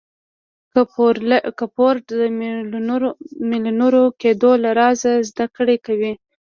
که د فورډ د ميليونر کېدو له رازه زده کړه کوئ.